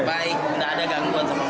baik nggak ada gangguan sama mereka